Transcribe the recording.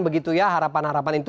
begitu ya harapan harapan itu